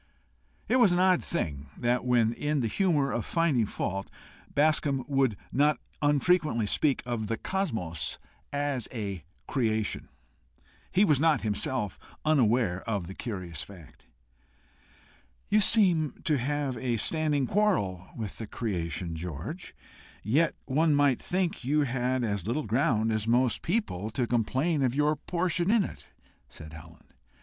It was an odd thing that when in the humour of finding fault, Bascombe would not unfrequently speak of the cosmos as a creation. He was himself unaware of the curious fact. "You seem to have a standing quarrel with the creation, George! Yet one might think you had as little ground as most people to complain of your portion in it," said Helen.